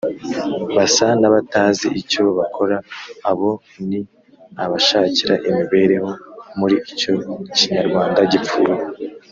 basa n’abatazi icyo bakora, abo ni abashakira imibereho muri icyo kinyarwanda gipfuye.